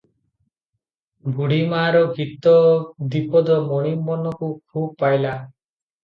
ବୁଢ଼ୀ ମାଆର ଗୀତ ଦିପଦ ମଣିମନକୁ ଖୁବ୍ ପାଇଲା ।